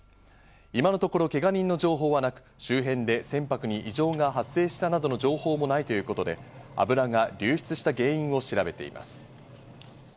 今のところ、けが人の情報はなく周辺で船舶に異常が発生したなどの情報もないということで、油が流出した原因を調べています。